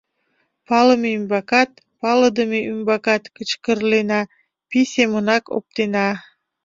Палыме ӱмбакат, палыдыме ӱмбакат кычкырлена, пий семынак оптена.